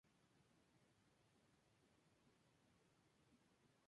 Corazon Aquino fue proclamada como la legítima presidente de Filipinas luego de la revolución.